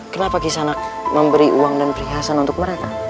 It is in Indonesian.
kenapa kisana memberi uang dan perhiasan untuk mereka